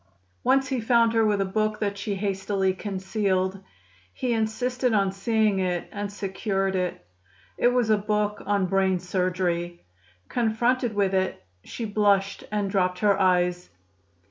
Once he found her with a book that she hastily concealed. He insisted on seeing it, and secured it. It was a book on brain surgery. Confronted with it, she blushed and dropped her eyes.